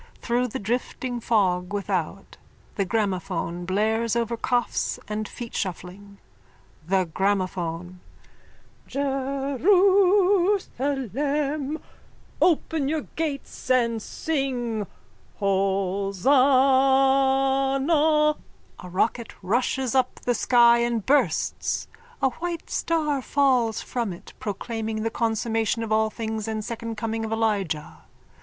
Through the drifting fog without the gramophone blares over coughs and feetshuffling.)_ THE GRAMOPHONE: Jerusalem! Open your gates and sing Hosanna... _(A rocket rushes up the sky and bursts. A white star falls from it, proclaiming the consummation of all things and second coming of Elijah.